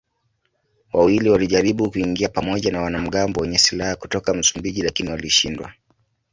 Wawili walijaribu kuingia pamoja na wanamgambo wenye silaha kutoka Msumbiji lakini walishindwa.